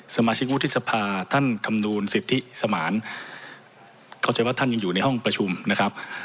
สมาชิกวุฒิสภาท่านคำนวณสิทธิสมานเข้าใจว่าท่านยังอยู่ในห้องประชุมนะครับ